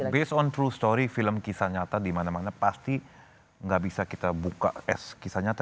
based on true story film kisah nyata dimana mana pasti nggak bisa kita buka es kisah nyata